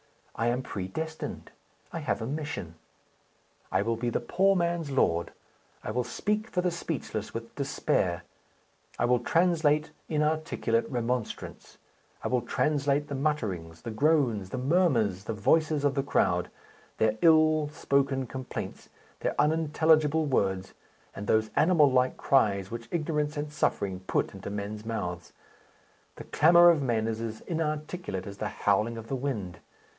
I am predestined; I have a mission. I will be the poor man's lord; I will speak for the speechless with despair; I will translate inarticulate remonstrance; I will translate the mutterings, the groans, the murmurs, the voices of the crowd, their ill spoken complaints, their unintelligible words, and those animal like cries which ignorance and suffering put into men's mouths. The clamour of men is as inarticulate as the howling of the wind.